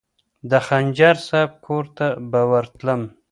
د خنجر صاحب کور ته به ورتلم.